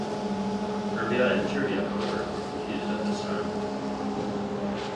Erbia and terbia, however, were confused at this time.